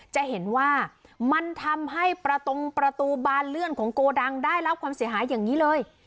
จะเห็นว่ามันทำให้ประตงประตูบานเลื่อนของโกดังได้รับความเสียหายอย่างนี้เลย